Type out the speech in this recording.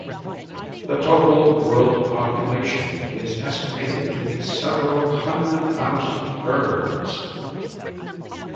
The total world population is estimated to be several hundred thousand birds.